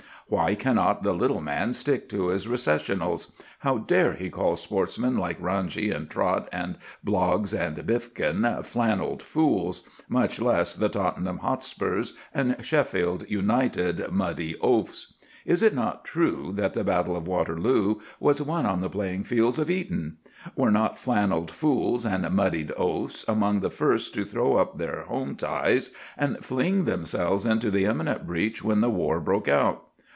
Why cannot the little man stick to his Recessionals? How dare he call sportsmen like Ranji and Trott and Bloggs and Biffkin flannelled fools, much less the Tottenham Hotspurs and Sheffield United muddied oafs! Is it not true that the battle of Waterloo was won on the playing fields of Eton? Were not flannelled fools and muddied oafs among the first to throw up their home ties and fling themselves into the imminent breach when the war broke out?